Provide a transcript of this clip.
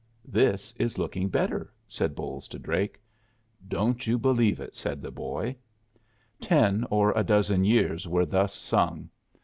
"This is looking better," said Bolles to Drake. "Don't you believe it," said the boy. Ten or a dozen years were thus sung.